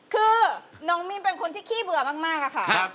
คือน้องมินเป็นคนที่ขี้เบื่อมากอะค่ะ